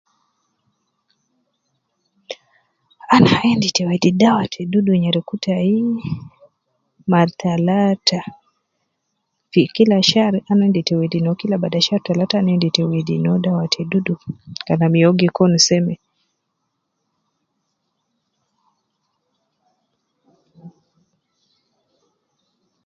Ana endi te wedi dawa te dudu nyereku tayi mar talata fi kila shar ana endi te wedi no kila bada shar talata ana endi te wedi no dawa te dudu kalam ya uwo gi kun seme.